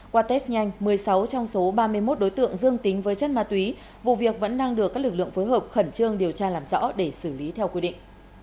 qua test nhanh một mươi sáu trong số ba mươi một đối tượng dương tính với chất ma túy vụ việc vẫn đang được các lực lượng phối hợp khẩn trương điều tra làm rõ để xử lý theo quy định